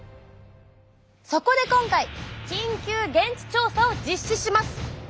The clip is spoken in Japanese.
そこで今回緊急現地調査を実施します。